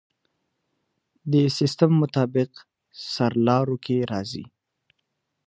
دې سیستم مطابق سرلارو کې راځي.